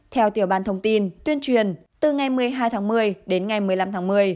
theo tiểu ban thông tin tuyên truyền từ ngày một mươi hai tháng một mươi đến ngày một mươi năm tháng một mươi